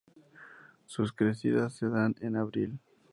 Sus crecidas se dan en abril.